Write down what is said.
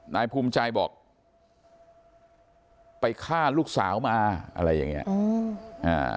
นายภูมิใจบอกไปฆ่าลูกสาวมาอะไรอย่างเงี้อืมอ่า